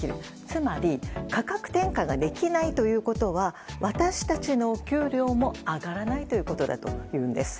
つまり価格転嫁ができないということは私たちの給料も上がらないということだというんです。